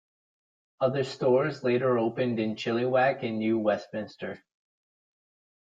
Other stores later opened in Chilliwack and New Westminster.